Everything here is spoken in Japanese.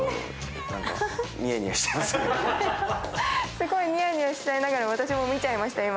すごいニヤニヤしちゃいながら私も見ちゃいました。